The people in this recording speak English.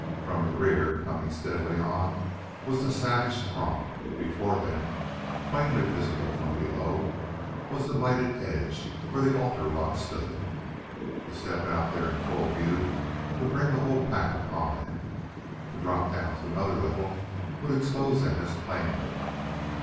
From the rear, coming steadily on, was the savage throng; before them, plainly visible from below, was the lighted edge where the altar rock stood. To step out there in full view would bring the whole pack upon them; to drop down to another level would expose them as plainly.